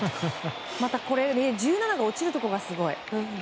また、これ１７が落ちるところがすごい。